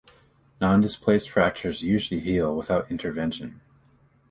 Non-displaced fractures usually heal without intervention.